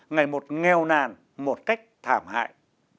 ngày một nghèo nàn một cách thảm hại